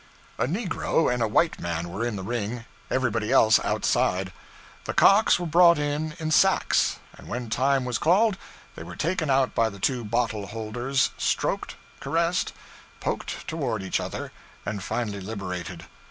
A negro and a white man were in the ring; everybody else outside. The cocks were brought in in sacks; and when time was called, they were taken out by the two bottle holders, stroked, caressed, poked toward each other, and finally liberated.